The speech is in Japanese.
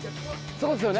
そこですよね？